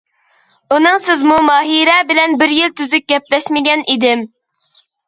ئۇنىڭسىزمۇ ماھىرە بىلەن بىر يىل تۈزۈك گەپلەشمىگەن ئىدىم.